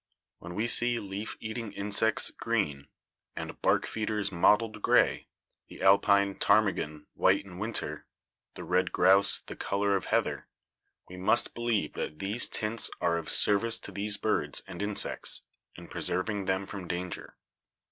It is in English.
When we see leaf eating insects green, and bark feeders mottled gray, tne alpine ptarmigan white in winter, the red grouse the color of heather, we must believe that these tints are of service to these birds and insects in preserving them from danger.